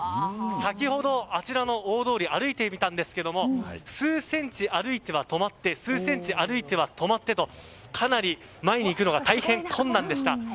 先ほど、あちらの大通り歩いてみたんですけども数センチ歩いては止まって数センチ歩いては止まってと前に行くのが困難でした。